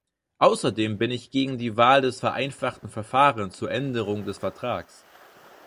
Außerdem bin ich gegen die Wahl des vereinfachten Verfahrens zur Änderung des Vertrags.